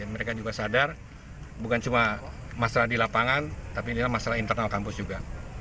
mereka juga sadar bukan cuma masalah di lapangan tapi ini adalah masalah internal kampus juga